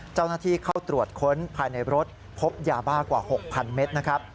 เจ้าหน้าที่เข้าตรวจค้นภายในรถพบยาบ้ากว่า๖๐๐เมตรนะครับ